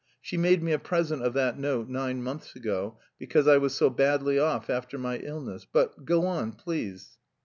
She made me a present of that note nine months ago, because I was so badly off after my illness. But, go on, please...."